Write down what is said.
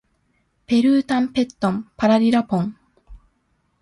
ペルータンペットンパラリラポン